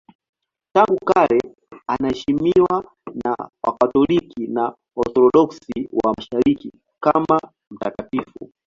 Tangu kale anaheshimiwa na Wakatoliki na Waorthodoksi wa Mashariki kama mtakatifu.